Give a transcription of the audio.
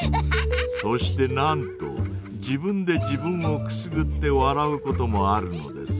そしてなんと自分で自分をくすぐって笑うこともあるのです。